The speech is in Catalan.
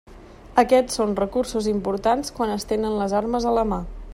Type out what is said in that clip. Aquests són recursos importants quan es tenen les armes a la mà.